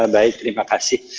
baik terima kasih